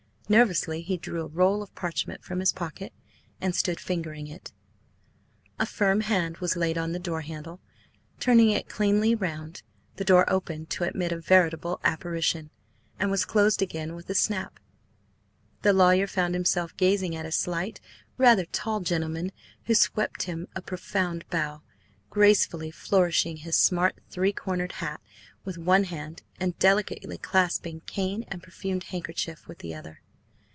Nervously he drew a roll of parchment from his pocket and stood fingering it. A firm hand was laid on the door handle, turning it cleanly round. The door opened to admit a veritable apparition, and was closed again with a snap. The lawyer found himself gazing at a slight, rather tall gentleman who swept him a profound bow, gracefully flourishing his smart three cornered hat with one hand and delicately clasping cane and perfumed handkerchief with the other.